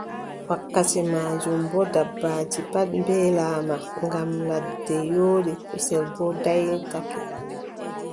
Wakkati maajum boo, dabbaaji pat mbeelaama ngam ladde yoori, kusel boo daaytake.